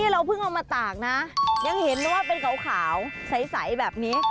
เราเพิ่งเอามาตากนะยังเห็นว่าเป็นขาวใสแบบนี้